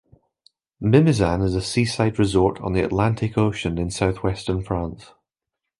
Mimizan is a seaside resort on the Atlantic Ocean in southwestern France.